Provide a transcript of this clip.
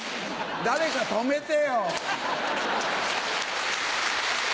誰か止めてよ！